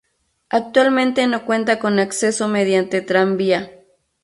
Actualmente no cuenta con acceso mediante tranvía.